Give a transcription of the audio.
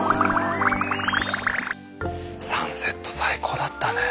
サンセット最高だったね。